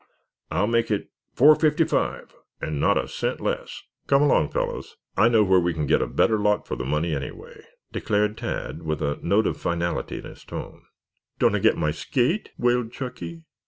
"I'll make it four fifty five and not a cent less." "Come along, fellows. I know where we can get a better lot for the money, anyway," declared Tad with a note of finality in his tone. "Don't I get my skate?" wailed Chunky.